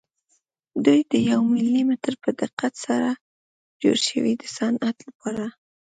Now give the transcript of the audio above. دوی د یو ملي متر په دقت سره جوړ شوي دي د صنعت لپاره.